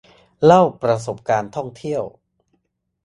เล่าประสบการณ์ท่องเที่ยว